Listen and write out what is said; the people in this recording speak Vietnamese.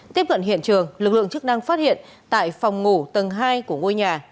tiếp cận hiện trường lực lượng chức năng phát hiện tại phòng ngủ tầng hai của ngôi nhà